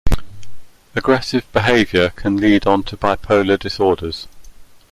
Aggressive behaviour can lead onto bipolar disorders.